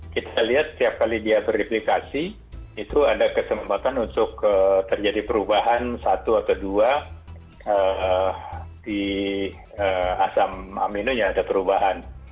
kita lihat setiap kali dia beriplikasi itu ada kesempatan untuk terjadi perubahan satu atau dua di asam amino yang ada perubahan